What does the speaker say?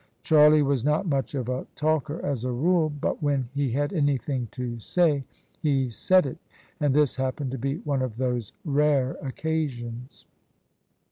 Charlie was not much of a talker as a rule : but when he had anything to say, he said it — ^and this hap pened to be one of those rare occasions.